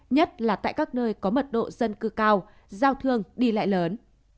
nhất là tại các nơi có mật độ dân cư cao giao thương đi lại lớn